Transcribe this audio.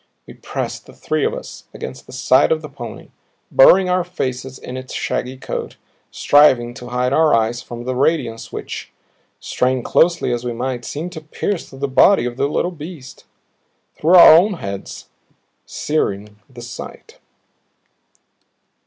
We pressed, the three of us, against the side of the pony, burying our faces in its shaggy coat, striving to hide our eyes from the radiance which, strain closely as we might, seemed to pierce through the body of the little beast, through our own heads, searing the sight.